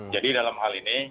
jadi dalam hal ini